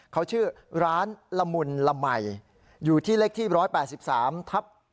เขาชื่อร้านละมุนละมัยอยู่ที่เลขที่๑๘๓ทับ๑